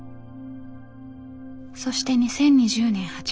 そして２０２０年８月。